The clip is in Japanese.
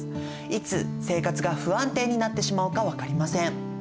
いつ生活が不安定になってしまうか分かりません。